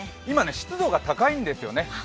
今、湿度が高いんですよね。